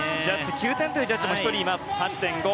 ９点というジャッジも１人います。